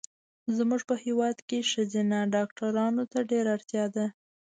زمونږ په هېواد کې ښځېنه ډاکټرو ته ډېره اړتیا ده